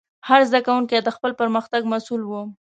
هر زده کوونکی د خپل پرمختګ مسؤل و.